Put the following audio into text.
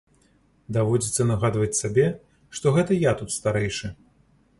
Даводзіцца нагадваць сабе, што гэта я тут старэйшы.